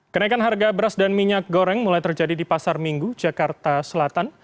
kenaikan harga beras dan minyak goreng mulai terjadi di pasar minggu jakarta selatan